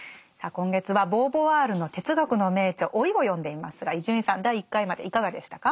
今月はボーヴォワールの哲学の名著「老い」を読んでいますが伊集院さん第１回までいかがでしたか？